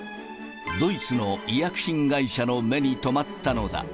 ドイツの医薬品会社の目に留まったのだ。